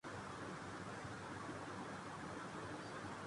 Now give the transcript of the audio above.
ریزگاری رکھ لیجئے